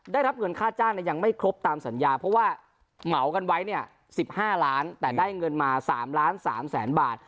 ได้รับเงินค่าจ้างยังไม่ครบตามสัญญาเพราะว่าเหมากันไว้เนี่ย๑๕ล้านแต่ได้เงินมา๓ล้าน๓แสนบาท